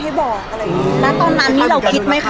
แล้วตอนนั้นนี่เราคิดไหมคะ